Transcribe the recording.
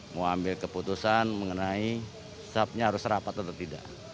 mau ambil keputusan mengenai shabnya harus rapat atau tidak